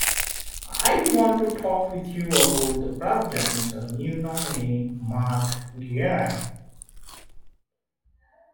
I want to talk with you about the President's new nominee -- Mark Gearan.